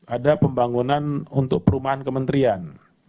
ada pembangunan untuk perumahan kementerian